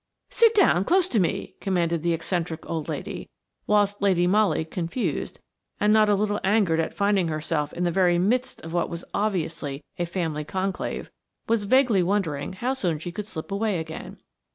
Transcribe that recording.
"Sit down close to me," commanded the eccentric old lady, whilst Lady Molly, confused, and not a little angered at finding herself in the very midst of what was obviously a family conclave, was vaguely wondering how soon she could slip away again.